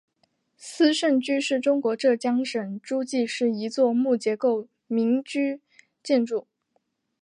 斯盛居是中国浙江省诸暨市一座木结构民居建筑。